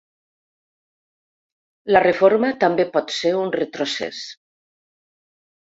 La reforma també pot ser un retrocés.